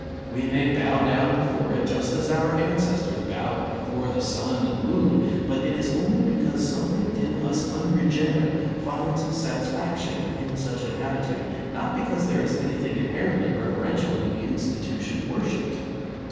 We may bow down before it, just as our an cestors bowed before the sun and moon, but it is only because something in us unregenerate finds satisfaction in such an attitude, not because there is anything inherently reverential in the institution worshipped.